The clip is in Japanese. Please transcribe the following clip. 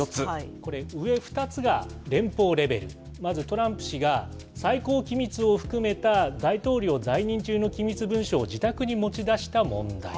これ、上２つが連邦レベル、まずトランプ氏が、最高機密を含めた大統領在任中の機密文書を自宅に持ち出した問題。